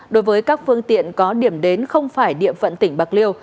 đối với các phương tiện có điểm đến không phải địa phận tỉnh bạc liêu